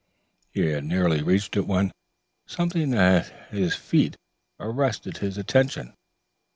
He had nearly reached it when something at his feet arrested his attention.